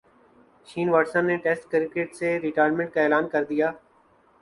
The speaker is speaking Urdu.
شین واٹسن نے ٹیسٹ کرکٹ سے ریٹائرمنٹ کا اعلان کر دیا